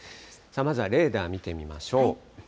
まずはレーダー見てみましょう。